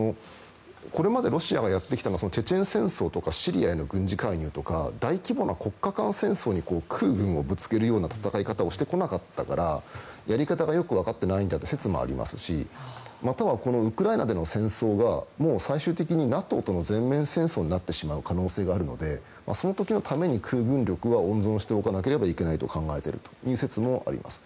これまでロシアがやってきたのはチェチェン戦争とかシリアへの軍事介入とか大規模な国家間戦争に空軍をぶつけるような戦い方をしてこなかったからやり方がよく分かっていないという説もありますしまたはウクライナでの戦争が最終的にＮＡＴＯとの全面戦争になってしまう可能性があるのでその時のために空軍力は温存しておかなければいけないと考えているという説もあります。